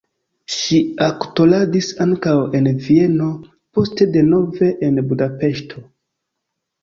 Ŝi aktoradis ankaŭ en Vieno, poste denove en Budapeŝto.